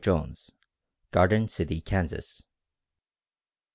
JONES, GARDEN CITY, KANSAS.